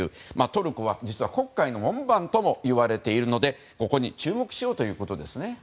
トルコは実は黒海の門番ともいわれているのでここに注目しようということです。